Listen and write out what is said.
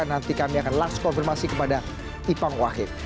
nanti kami akan langsung konfirmasi kepada ipang wahid